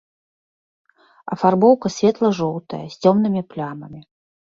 Афарбоўка светла-жоўтая з цёмнымі плямамі.